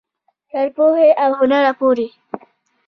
تر پوهې او هنره پورې.